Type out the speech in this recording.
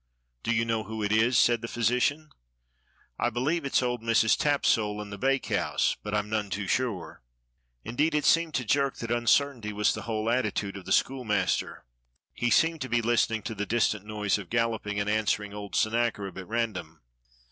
"Do you know who it is.^" said the physician. "I believe it's old Mrs. Tapsole in the Bake House, but I'm none too sure." Indeed it seemed to Jerk that uncertainty was the whole attitude of the schoolmaster. He seemed to be listening to the distant noise of galloping and answering old Sennacherib at random.